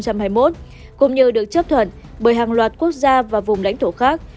cũng như được chấp thuận bởi hàng loạt quốc gia và vùng lãnh thổ khác